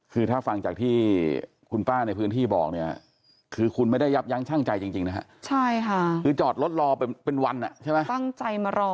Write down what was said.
เพราะฉะนั้นมันก็ไม่ได้มาทำแบบนี้เลยนะ